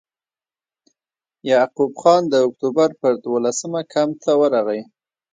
یعقوب خان د اکټوبر پر دولسمه کمپ ته ورغی.